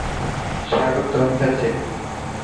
এটি প্রথম চলচ্চিত্র যেখানে চ্যাপলিন সঙ্গীত পরিচালনা করেন নি।